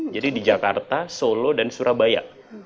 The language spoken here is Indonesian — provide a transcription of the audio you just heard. jadi di jakarta solo dan surabaya